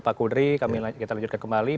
pak kudri kita lanjutkan kembali